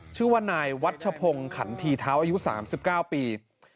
ชื่อว่านายวัชพงศ์ขันทีเท้าอายุ๓๙ปี